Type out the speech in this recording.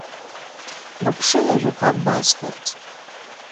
Быԥшын ажәақәак басҳәарц.